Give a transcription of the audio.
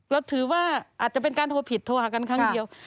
เราถือว่าอาจจะเป็นการโทรผิดโทรหากันครั้งเดียว